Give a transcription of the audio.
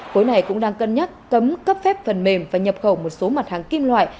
khối này cũng đang cân nhắc cấm cấp phép phần mềm và nhập khẩu một số mặt hàng kim loại